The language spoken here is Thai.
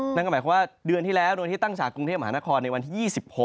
นั่นก็หมายความว่าเดือนที่แล้วโดยที่ตั้งฉากกรุงเทพมหานครในวันที่๒๖